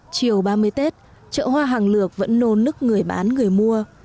chiều ba mươi tết chợ hoa hàng lược vẫn nôn nức người bán người mua